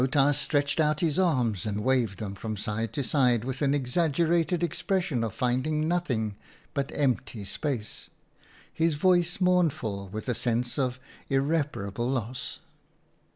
Outa stretched out his arms and waved them from side to side with an exaggerated expression of finding nothing but empty space, his voice mournful with a sense of irreparable loss.